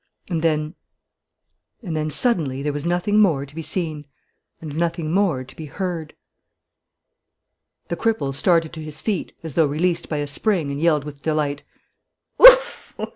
And then and then, suddenly, there was nothing more to be seen and nothing more to be heard. The cripple started to his feet, as though released by a spring, and yelled with delight: "Oof!